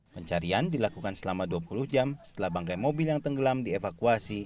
pencarian dilakukan selama dua puluh jam setelah bangkai mobil yang tenggelam dievakuasi